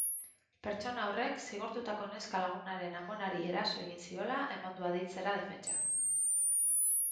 Pertsona horrek zigortutako neska lagunaren amonari eraso egin ziola eman du aditzera defentsak.